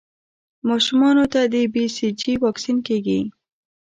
ماشومانو ته د بي سي جي واکسین کېږي.